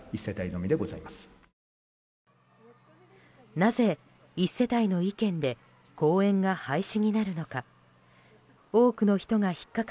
なぜ１世帯の意見で公園が廃止になるのか。